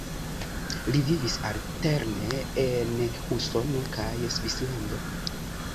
Li vivis alterne en Usono kaj Svislando.